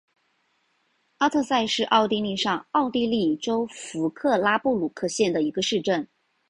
阿特塞是奥地利上奥地利州弗克拉布鲁克县的一个市镇。